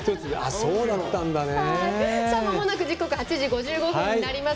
まもなく時刻は８時５５分になります。